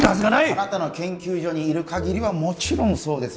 あなたの研究所にいるかぎりはもちろんそうです